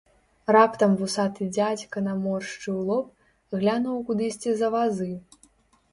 Раптам вусаты дзядзька наморшчыў лоб, глянуў кудысьці за вазы.